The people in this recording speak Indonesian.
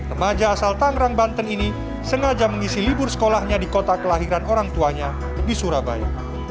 remaja asal tangerang banten ini sengaja mengisi libur sekolahnya di kota kelahiran orang tuanya di surabaya